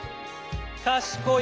「かしこい」